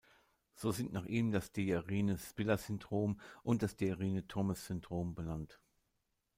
So sind nach ihm das Dejerine-Spiller-Syndrom und das Dejerine-Thomas-Syndrom benannt.